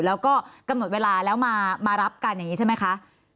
แล้วก็กำหนดเวลาแล้วมารับกันอย่างนี้ใช่ไหมคะ